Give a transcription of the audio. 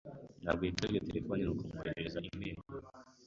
Ntabwo yitabye terefone, nuko mwoherereza imeri.